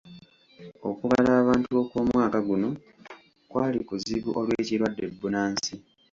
Okubala abantu okw'omwaka guno kwali kuzibu olw'ekirwadde bbunansi.